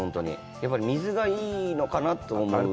やっぱり水がいいのかなと思うんです。